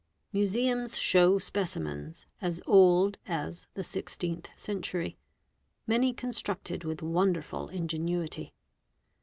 Museums show specimens as old as the 16th century, many constructed — with wonderful ingenuity.